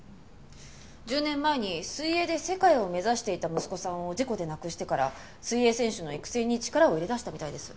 １０年前に水泳で世界を目指していた息子さんを事故で亡くしてから水泳選手の育成に力を入れ出したみたいです。